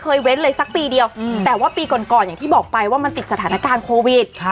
เว้นเลยสักปีเดียวแต่ว่าปีก่อนอย่างที่บอกไปว่ามันติดสถานการณ์โควิด